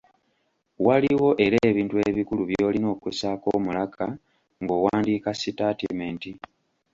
Waliwo era ebintu ebikulu by’olina okussaako omulaka ng’owandiika sitaatimenti.